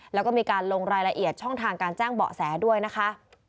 แล้วก็มีการลงรายละเอียดช่องทางการแจ้งเบาะแสด้วยนะคะ